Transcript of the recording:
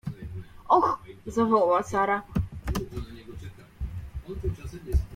— Och! — zawołała Sara.